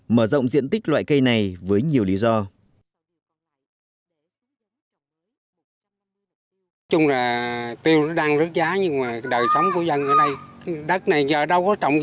mở rộng diện tích loại cây này với nhiều lý do